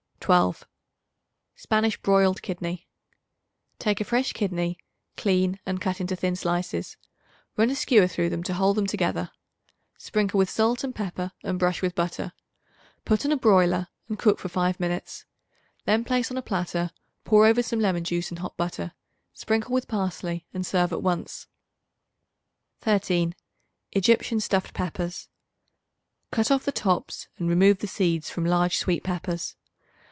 12. Spanish Broiled Kidney. Take a fresh kidney; clean and cut into thin slices; run a skewer through them to hold them together. Sprinkle with salt and pepper and brush with butter; put on a broiler and cook for five minutes. Then place on a platter; pour over some lemon juice and hot butter; sprinkle with parsley and serve at once. 13. Egyptian Stuffed Peppers. Cut off the tops and remove the seeds from large sweet peppers.